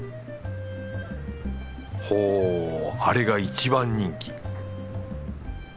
ほうあれが一番人気。